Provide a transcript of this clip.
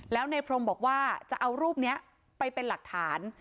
แล้วในพรมบอกว่าจะเอารูปนี้ไปเป็นหลักฐาน